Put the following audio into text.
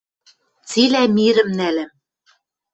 Цилӓ мирӹм нӓлӓм!»